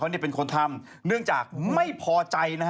เนื่องจากไม่พอใจ